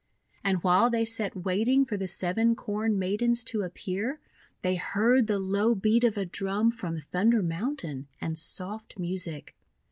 And while they sat wait ing for the Seven Corn Maidens to appear, they heard the low beat of a drum from Thunder Mountain, and soft music.